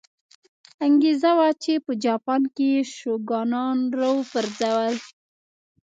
انګېزه وه چې په جاپان کې یې شوګانان را وپرځول.